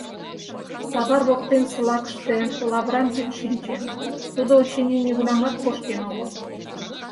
Савар воктенсе лакыште лавыран вӱд шинчен, тудо, очыни, нигунамат кошкен огыл.